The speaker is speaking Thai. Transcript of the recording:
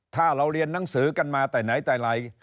ถ้าเราเรียนหนังสือกันมาแต่ไหนแต่ไร